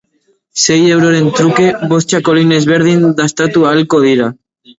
Sei euroren truke, bost txakolin ezberdin dastatu ahalko dira.